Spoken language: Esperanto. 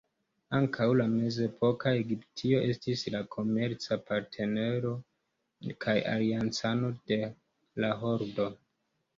Ankaŭ la mezepoka Egiptio estis la komerca partnero kaj aliancano de la Hordo.